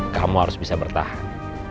kamu harus bisa bertahan